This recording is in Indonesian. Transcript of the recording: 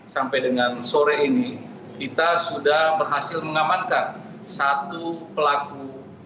sampai dengan sore ini kita sudah berhasil mengamankan satu pelaku